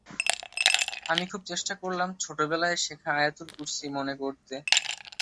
আমি খুব চেষ্টা করলাম ছোটবেলায় শেখা আয়াতুল কুরসি মনে করতে।